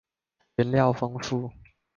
原料豐富